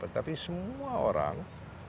tapi semua orang